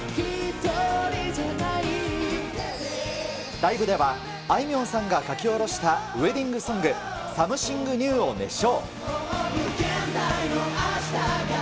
ライブでは、あいみょんさんが書き下ろしたウエディングソング、サムシング・ニューを熱唱。